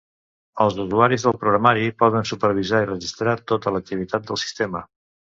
Els usuaris del programari poden supervisar i registrar tota l'activitat del sistema.